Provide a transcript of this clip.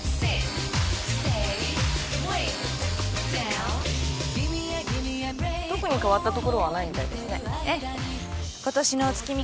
えっ？